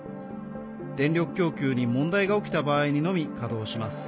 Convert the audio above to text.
電力供給に問題が起きた場合にのみ稼働します。